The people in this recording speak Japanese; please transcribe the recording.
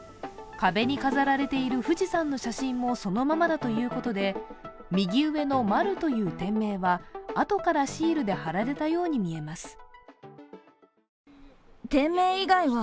壁に飾られている富士山の写真もそのままだということで右上のマルという店名はあとからシールで貼られたように見えます。